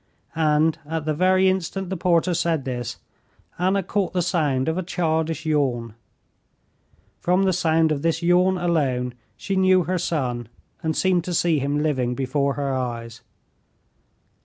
And at the very instant the porter said this, Anna caught the sound of a childish yawn. From the sound of this yawn alone she knew her son and seemed to see him living before her eyes.